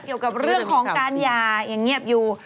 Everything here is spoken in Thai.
เกี่ยวกับเรื่องของการหย่ายังเงียบอยู่